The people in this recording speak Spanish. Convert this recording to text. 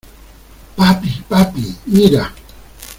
¡ papi! ¡ papi, mira !